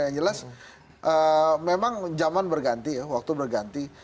yang jelas memang zaman berganti ya waktu berganti